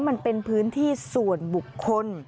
มันเป็นพื้นที่ส่วนบุคคล